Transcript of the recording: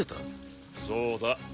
そうだ。